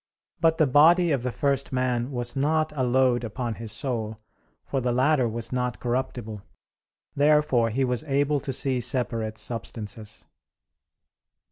But the body of the first man was not a load upon his soul; for the latter was not corruptible. Therefore he was able to see separate substances.